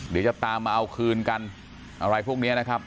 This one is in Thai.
เดี๋ยวจะตามมาเอาคืนกันอะไรพวกนี้นะครับ